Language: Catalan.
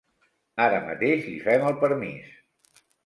Ara mateix li fem el permís.